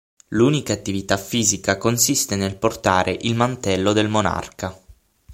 L'unica attività fisica consiste nel portare il mantello del monarca.